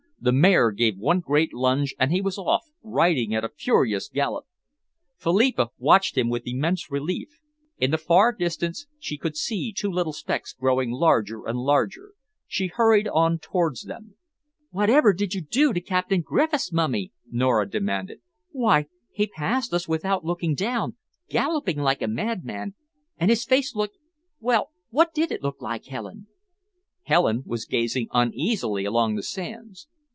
The mare gave one great plunge, and he was off, riding at a furious gallop. Philippa watched him with immense relief. In the far distance she could see two little specks growing larger and larger. She hurried on towards them. "Whatever did you do to Captain Griffiths, Mummy?" Nora demanded. "Why he passed us without looking down, galloping like a madman, and his face looked well, what did it look like, Helen?" Helen was gazing uneasily along the sands.